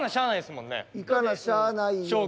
いかなしゃあないよな。